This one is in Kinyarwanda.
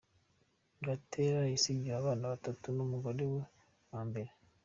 Gatera yasigiwe abana batatu n’umugore we wa mbere.